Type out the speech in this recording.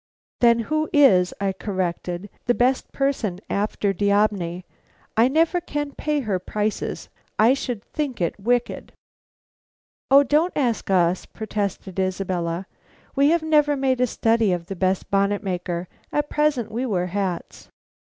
"Then who is," I corrected, "the best person after D'Aubigny? I never can pay her prices. I should think it wicked." "O don't ask us," protested Isabella. "We have never made a study of the best bonnet maker. At present we wear hats."